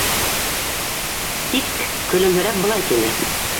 Тик көлөмһөрәп былай тине: